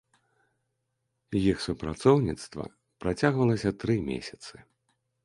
Іх супрацоўніцтва працягвалася тры месяцы.